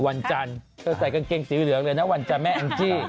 วันจันทร์เธอใส่กางเกงสีเหลืองเลยนะวันจันทร์แม่แองจี้